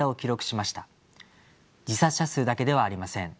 自殺者数だけではありません。